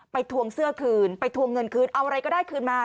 ทวงเสื้อคืนไปทวงเงินคืนเอาอะไรก็ได้คืนมา